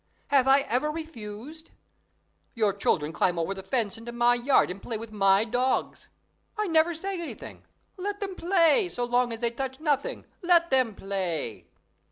Have I ever refused? Your children climb over the fence into my yard and play with my dogs I never say anything; let them play, so long as they touch nothing; let them play!"